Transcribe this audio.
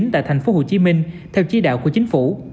tại tp hcm theo chỉ đạo của chính phủ